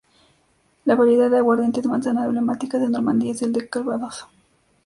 La variedad de aguardiente de manzana emblemática de Normandía es el calvados.